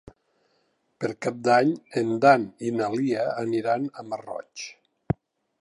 Per Cap d'Any en Dan i na Lia aniran al Masroig.